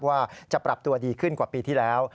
ว่าจะปรับตัวดีขึ้นกว่าปีที่แล้ว